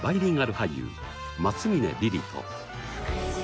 俳優松峰莉璃と。